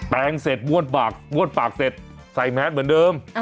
แปลงเสร็จว่นปากเสร็จใส่แมสเหมือนเดิม